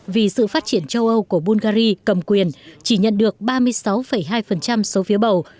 vì sự phát triển châu âu của bungary cầm quyền chỉ nhận được ba mươi sáu hai số phiếu bầu